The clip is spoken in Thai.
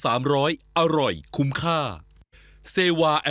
ถ้าเจ๋งกับมันที่หนึ่งด้วยล่ะ